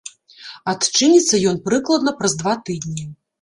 Адчыніцца ён прыкладна праз два тыдні.